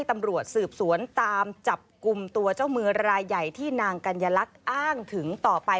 มือรายใหญ่ที่นางกัญญลักษณ์อ้างถึงต่อไป